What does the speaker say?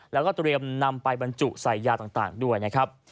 แล้วก็เตรียมนำไปบรรจุใส่ยาต่างด้วยนะครับ